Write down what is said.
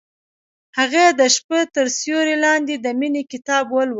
هغې د شپه تر سیوري لاندې د مینې کتاب ولوست.